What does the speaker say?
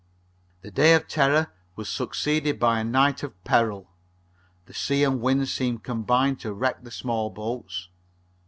The day of terror was succeeded by a night of peril. The sea and wind seemed combining to wreck the small boats.